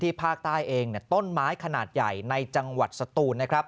ที่ภาคใต้เองเนี่ยต้นไม้ขนาดใหญ่ในจังหวัดสตู